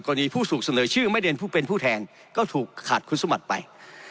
ผู้ถูกเสนอชื่อไม่เรียนผู้เป็นผู้แทนก็ถูกขาดคุณสมบัติไป